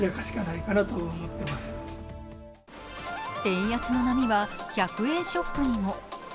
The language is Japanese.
円安の波は１００円ショップにも。